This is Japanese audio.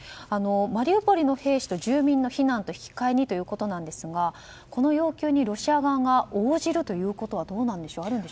マリウポリの兵士と住民の避難と引き換えにということですがこの要求にロシア側が応じることはあるんでしょうか。